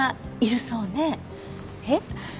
えっ？